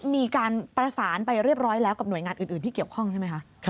มีการประสานไปเรียบร้อยแล้วกับหน่วยงานอื่นที่เกี่ยวข้องใช่ไหมคะ